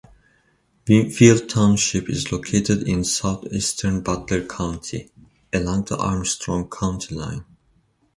Winfield Township is located in southeastern Butler County, along the Armstrong County line.